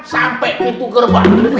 sampai pintu gerbang